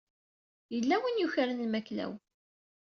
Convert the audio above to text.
Yella win i yukren lmakla-w.